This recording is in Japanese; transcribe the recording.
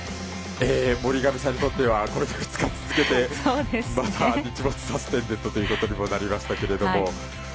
森上さんにとってはこれで２日続けてまた日没サスペンデッドにもなりましたけども。